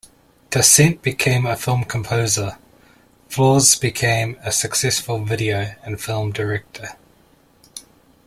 Dasent became a film composer, Flaws became a successful video and film director.